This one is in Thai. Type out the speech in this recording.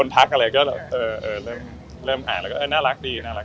ไม่ได้คิดอะไรเลย